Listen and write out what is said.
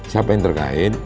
siapa yang terkait